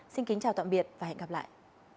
xin kính chào tạm biệt và hẹn gặp lại